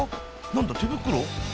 何だ手袋？